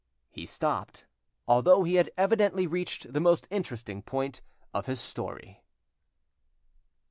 He stopped, although he had evidently reached the most interesting point of his story.